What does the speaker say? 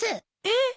えっ！